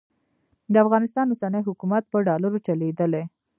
د افغانستان اوسنی حکومت په ډالرو چلېدلی.